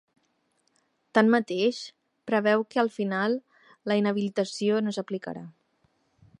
Tanmateix, preveu que al final la inhabilitació no s’aplicarà.